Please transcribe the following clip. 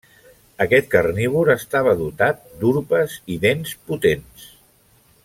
Aquest carnívor estava dotat d'urpes i dents potents.